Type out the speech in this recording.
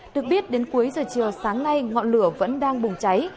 được biết đến cuối giờ chiều sáng nay ngọn lửa vẫn đang bùng cháy